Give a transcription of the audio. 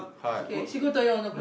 仕事用の車。